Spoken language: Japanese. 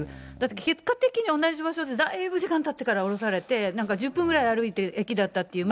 結果的に同じ場所でだいぶ時間たってから降ろされて、なんか１０分ぐらい歩いて駅だったっていう。